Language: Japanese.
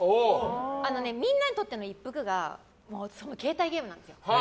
みんなにとっての一服が携帯ゲームなんですよ。